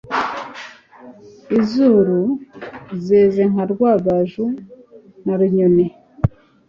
Inzeru* zeze nka Rwagaju* na Runyoni*.